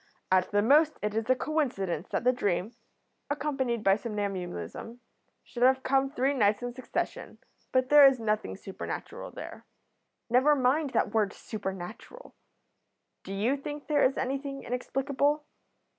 At the most it is a coincidence that the dream, accompanied by somnambulism, should have come three nights in succession, but there is nothing supernatural there." "Never mind that word supernatural. Do you think there is anything inexplicable?